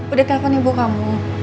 udah telepon ibu kamu